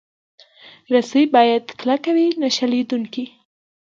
رسۍ باید کلکه وي، نه شلېدونکې.